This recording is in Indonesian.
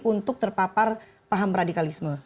untuk terpapar paham radikalisme